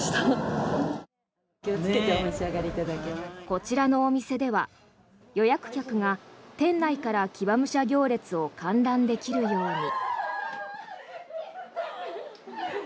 こちらのお店では、予約客が店内から騎馬武者行列を観覧できるように。